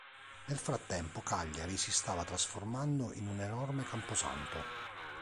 Nel frattempo Cagliari si stava trasformando in un enorme camposanto.